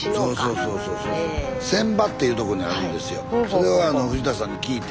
それをあの藤田さんに聞いて。